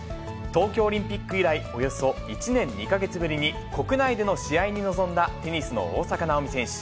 東京オリンピック以来、およそ１年２か月ぶりに国内での試合に臨んだテニスの大坂なおみ選手。